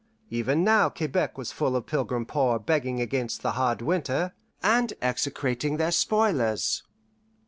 Even now Quebec was full of pilgrim poor begging against the hard winter, and execrating their spoilers.